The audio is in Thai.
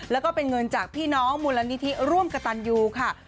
แล้วก็เป็นเงินจากพี่น้องมูลนิธิร่วมกระตันยูค่ะ